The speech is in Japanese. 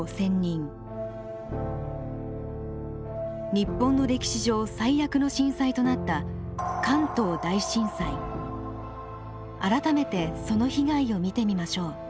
日本の歴史上最悪の震災となった改めてその被害を見てみましょう。